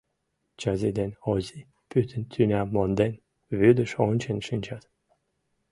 Чази ден Ози, пӱтынь тӱням монден, вӱдыш ончен шинчат.